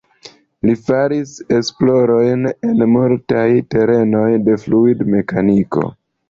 Li faris esplorojn en multaj terenoj de fluidmekaniko.